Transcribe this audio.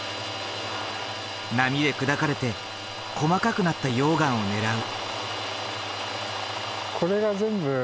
波で砕かれて細かくなった溶岩を狙う。